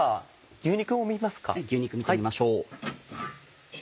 牛肉見てみましょう。